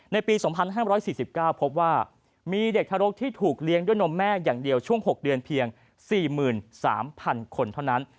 ในปี๒๕๔๙พบว่ามีเด็กทารกที่ถูกเลี้ยงด้วยนมแม่อย่างเดียวช่วง๖เดือนเพียง๔๓๐๐คนเท่านั้น